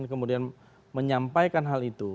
kemudian menyampaikan hal itu